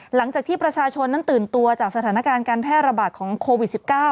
หลังจากที่ประชาชนนั้นตื่นตัวจากสถานการณ์การแพร่ระบาดของโควิด๑๙